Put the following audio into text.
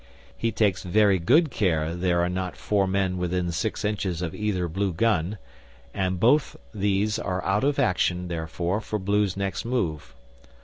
He takes very good care there are not four men within six inches of either Blue gun, and both these are out of action therefore for Blue's next move.